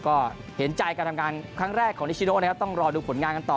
ก็เห็นใจการทำงานครั้งแรกของนิชโนนะครับต้องรอดูผลงานกันต่อ